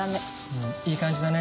うんいい感じだね。